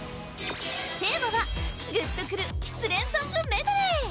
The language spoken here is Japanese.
テーマはグッとくる失恋ソングメドレー